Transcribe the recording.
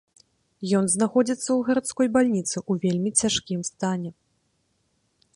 Ён знаходзіцца ў гарадской бальніцы ў вельмі цяжкім стане.